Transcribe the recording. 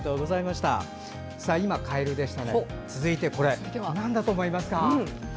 今、カエルでしたが続いてなんだと思いますか？